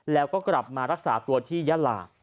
แล้วก็กลับมารักษาตัวที่ยาลา